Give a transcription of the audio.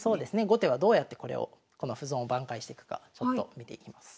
後手はどうやってこれをこの歩損を挽回していくか見ていきます。